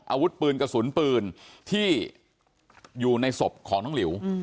อาวุธปืนกระสุนปืนที่อยู่ในศพของน้องหลิว